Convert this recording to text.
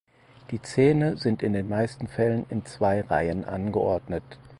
Die Zähne sind in den meisten Fällen in zwei Reihen angeordnet.